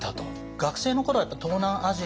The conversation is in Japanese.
学生の頃はやっぱ東南アジア。